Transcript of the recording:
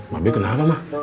mabih kenapa ma